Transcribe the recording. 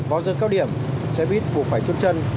vào giờ cao điểm xe buýt buộc phải chút chân